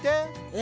え